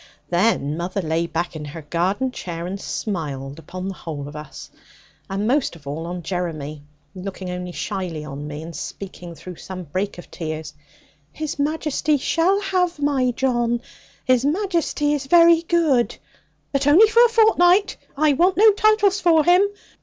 Then mother lay back in her garden chair, and smiled upon the whole of us, and most of all on Jeremy; looking only shyly on me, and speaking through some break of tears. 'His Majesty shall have my John; His Majesty is very good: but only for a fortnight. I want no titles for him.